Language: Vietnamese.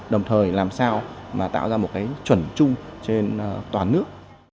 đồng thời làm sao mà tạo ra một cái chuẩn chung trên toàn nước